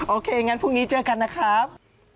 โอเคงั้นพรุ่งนี้เจอกันนะครับ